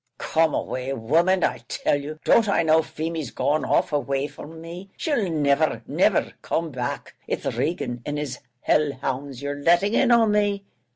"Come away, woman, I tell you; don't I know Feemy's gone off, away from me; she'll niver, niver come back; it's Keegan and his hell hounds you're letting in on me."